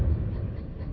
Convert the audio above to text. nanti aku akan datang